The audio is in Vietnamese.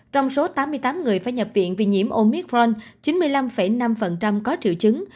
trong số tám mươi tám người phải nhập viện vì nhiễm omithron chín mươi năm năm có triệu chứng